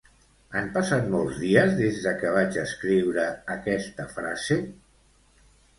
Han passat molts dies des de que vaig escriure aquesta frase?